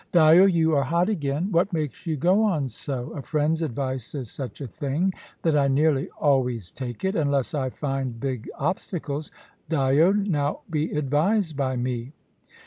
"Dyo, you are hot again. What makes you go on so? A friend's advice is such a thing, that I nearly always take it; unless I find big obstacles. Dyo, now be advised by me."